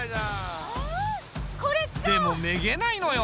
でもめげないのよ